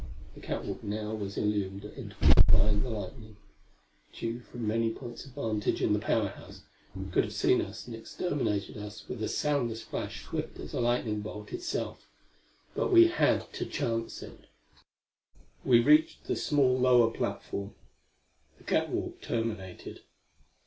The catwalk now was illumined at intervals by the lightning; Tugh from many points of vantage in the Power House could have seen us and exterminated us with a soundless flash swift as a lightning bolt itself. But we had to chance it. We reached the small lower platform. The catwalk terminated.